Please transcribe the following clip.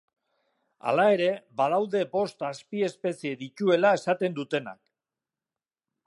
Hala ere, badaude bost azpiespezie dituela esaten dutenak